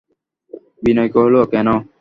বিনয় কহিল, কেন?